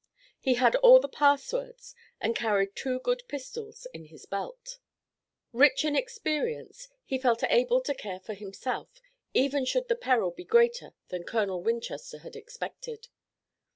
He had all the passwords and carried two good pistols in his belt. Rich in experience, he felt able to care for himself, even should the peril be greater than Colonel Winchester had expected.